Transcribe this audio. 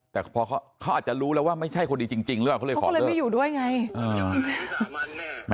แต่เขาอาจจะรู้แล้วว่าไม่ใช่คนดีจริงเค้าเลยขอเลิศ